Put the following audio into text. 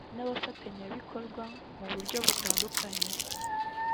n abafanyabikorwa mu buryo butandukanye